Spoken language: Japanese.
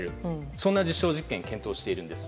そんな実証実験を検討されているんです。